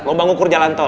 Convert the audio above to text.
lomba ngukur jalan tol